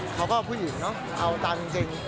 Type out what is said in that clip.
ผู้หญิงเนอะเอาตามจริง